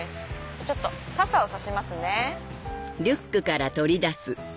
ちょっと傘を差しますね。